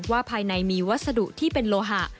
ภายในมีวัสดุที่เป็นโลหะ